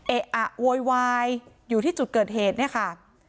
เอ๊ะอะโวยวายอยู่ที่จุดเกิดเหตุเนี่ยค่ะ